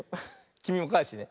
きみもかえしてね。